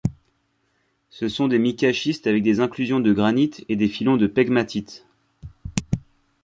Ce sont des micaschistes avec des inclusions de granites et des filons de pegmatites.